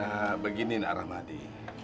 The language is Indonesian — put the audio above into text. eh begini nak rahmadi